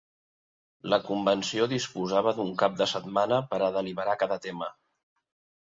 La convenció disposava d’un cap de setmana per a deliberar cada tema.